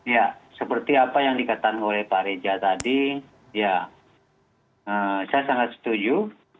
ya seperti apa yang dikatakan oleh pak reza tadi ya saya sangat setuju